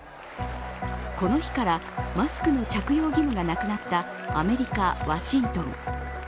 この日からマスクの着用義務がなくなったアメリカ・ワシントン。